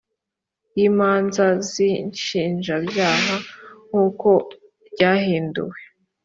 y imanza z inshinjabyaha nk uko ryahinduwe